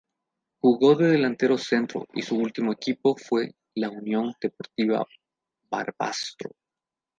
Jugó de delantero centro y su último equipo fue la Unión Deportiva Barbastro.